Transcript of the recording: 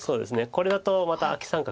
これだとまたアキ三角。